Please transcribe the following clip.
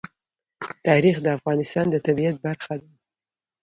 تاریخ د افغانستان د طبیعت برخه ده.